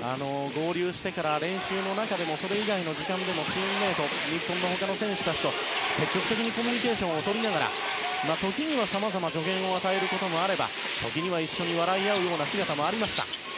合流してから練習の中でもそれ以外の時間でも日本の他の選手たちと積極的にコミュニケーションをとりながら時には、さまざまな助言を与えることもあれば時には一緒に笑い合うような姿もありました。